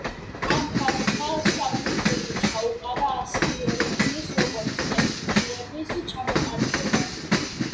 ამ ფაქტმა საფუძველი ჩაუყარა ასირიოლოგიის, როგორც მეცნიერების, ჩამოყალიბებას.